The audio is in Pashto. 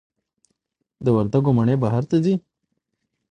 د وردګو مڼې بهر ته ځي؟